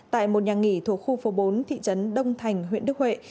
tại một nhà nghỉ thuộc khu phố bốn thị trấn đông thành huyện đức huệ